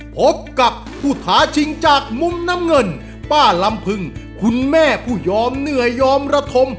พบกับผู้ท้าชิงจากมุมน้ำเงินป้าลำพึงคุณแม่ผู้ยอมเหนื่อยยอมระทม